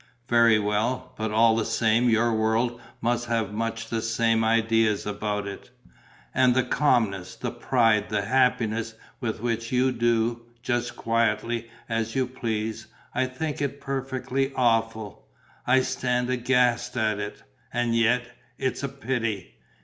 "Very well, but all the same your world must have much the same ideas about it. And the calmness, the pride, the happiness with which you do, just quietly, as you please! I think it perfectly awful. I stand aghast at it.... And yet ... it's a pity.